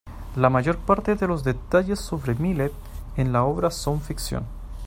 La mayor parte de los detalles sobre Millet en la obra son ficción.